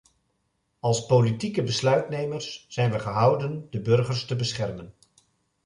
Als politieke besluitnemers zijn we gehouden de burgers te beschermen.